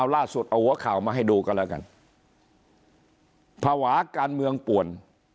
ล่าสุดเอาหัวข่าวมาให้ดูกันแล้วกันภาวะการเมืองป่วน